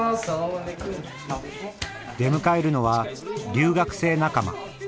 出迎えるのは留学生仲間。